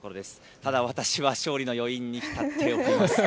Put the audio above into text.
ただ私は勝利の余韻に浸っております。